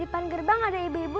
gimana inger masih ganes apa bro